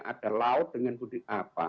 ada laut dengan mudik apa